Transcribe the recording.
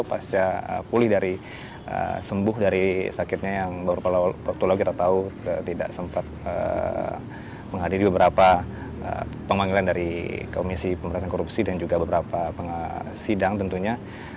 pasca pulih dari sembuh dari sakitnya yang baru waktu lalu kita tahu tidak sempat menghadiri beberapa pemanggilan dari komisi pemerintahan korupsi dan juga beberapa sidang tentunya